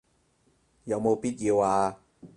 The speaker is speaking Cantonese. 有冇必要啊